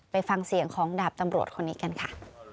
ไปฟังเสียงของดาบตำรวจคนนี้กันค่ะ